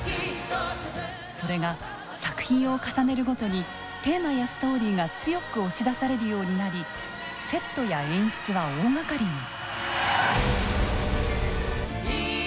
それが作品を重ねるごとにテーマやストーリーが強く押し出されるようになりセットや演出は大がかりに。